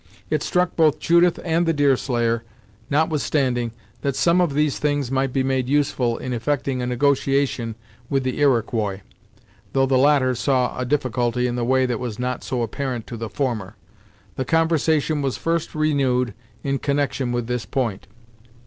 It struck both Judith and the Deerslayer, notwithstanding, that some of these things might be made useful in effecting a negotiation with the Iroquois, though the latter saw a difficulty in the way that was not so apparent to the former. The conversation was first renewed in connection with this point.